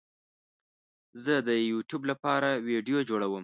زه د یوټیوب لپاره ویډیو جوړوم